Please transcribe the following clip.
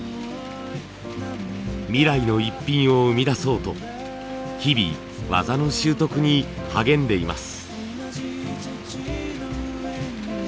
未来のイッピンを生み出そうと日々技の習得に励んでいます。